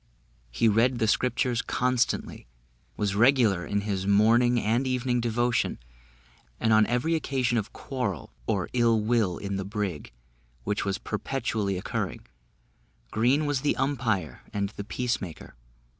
He read the Scriptures constantly, was regular in his morning and evening devotion, and on every occasion of quarrel or ill will in the brig, which was perpetually occurring, Green was the umpire and the peace maker.